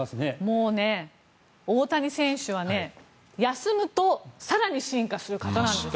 もうね、大谷選手は休むと更に進化する方なんです。